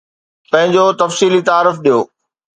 پنهنجو تفصيلي تعارف ڏيو.